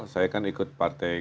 saya kan ikut partai